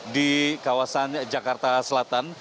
di kawasan jakarta selatan